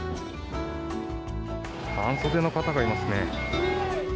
半袖の方がいますね。